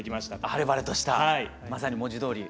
晴れ晴れとしたまさに文字どおり。